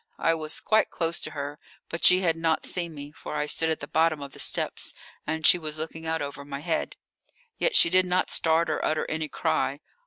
I was quite close to her, but she had not seen me, for I stood at the bottom of the steps, and she was looking out over my head. Yet she did not start or utter any cry.